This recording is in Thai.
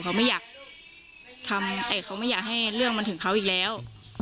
เขาไม่อยากให้เรื่องมันถึงเขาอีกแล้ว